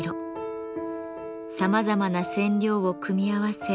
さまざまな染料を組み合わせ